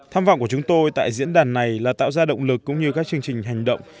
tham vọng của chúng tôi tại diễn đàn này là tạo ra động lực cũng như các chương trình hành động